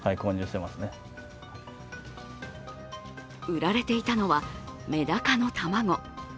売られていたのはメダカの卵。